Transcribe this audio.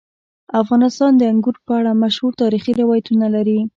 افغانستان د انګور په اړه مشهور تاریخی روایتونه لري.